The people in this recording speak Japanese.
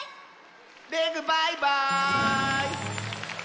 レグバイバーイ！